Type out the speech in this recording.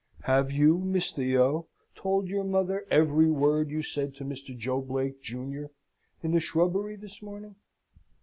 "Have you, Miss Theo, told your mother every word you said to Mr. Joe Blake, junior, in the shrubbery this morning?"